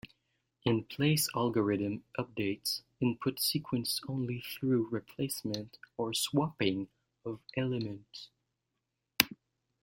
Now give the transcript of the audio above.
In-place algorithm updates input sequence only through replacement or swapping of elements.